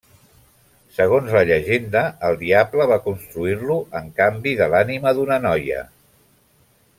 Segons la llegenda, el diable va construir-lo en canvi de l'ànima d'una noia.